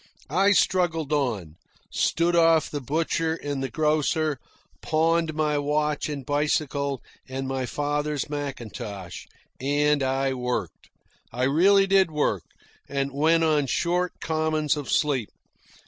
I struggled along, stood off the butcher and the grocer, pawned my watch and bicycle and my father's mackintosh, and I worked. I really did work, and went on short commons of sleep.